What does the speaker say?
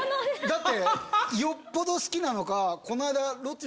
だってよっぽど好きなのかこないだ。